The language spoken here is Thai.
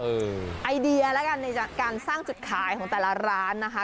ไอเดียแล้วกันในการสร้างจุดขายของแต่ละร้านนะคะ